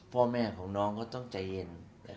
พ่อแม่ของน้องก็ต้องใจเย็น